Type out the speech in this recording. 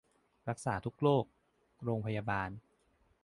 รักษาทุกโรค โรงพยาบาล